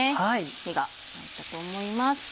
火が入ったと思います。